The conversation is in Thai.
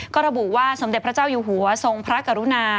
ก็ระบุว่าสมเด็จพระเจ้าอยู่หัวทรงพระกรุณา